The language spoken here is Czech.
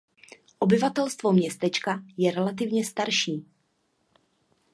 Obyvatelstvo městečka je relativně starší.